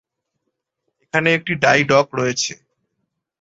এখানে একটি dry dock রয়েছে।